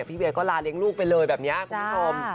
เวียก็ลาเลี้ยงลูกไปเลยแบบนี้คุณผู้ชม